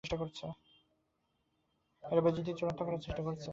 এরা বেইজ্জতির চূড়ান্ত করার চেষ্টা করছে।